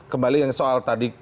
kembali ke soal tadi